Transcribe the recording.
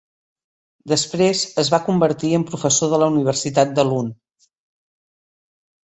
Després es va convertir en professor de la Universitat de Lund.